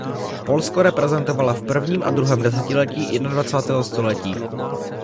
Polsko reprezentovala v prvním a druhém desetiletí jednadvacátého století.